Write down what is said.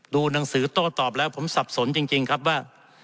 ดูหนังสือโต้ตอบแล้วผมสับสนจริงครับว่า